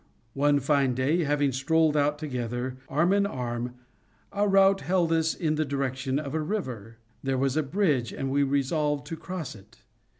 One fine day, having strolled out together, arm in arm, our route led us in the direction of a river. There was a bridge, and we resolved to cross it.